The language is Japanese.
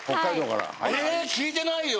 えぇ聞いてないよ！